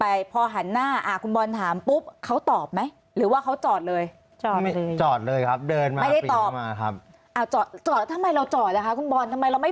อ้าวจอดทำไมเราจอดละค่ะคุณบอลทำไมเราไม่ไปอ่ะ